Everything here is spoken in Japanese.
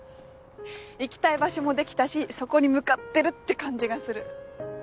行きたい場所もできたしそこに向かってるって感じがする。